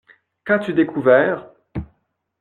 Qu’as-tu découvert ?